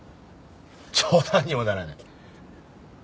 冗談にもならない。